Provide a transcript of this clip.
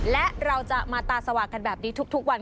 และเราจะมาตาสว่างกันแบบนี้ทุกวัน